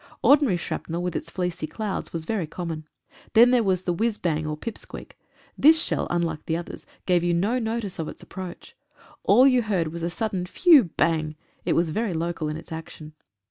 Ordinary shrapnel with its fleecy clouds was very common. Then there was the whizz bang, or pip squeak. This shell, unlike others, gave you no notice of its approach. All you heard was a sudden phew bang. It was very local in its action.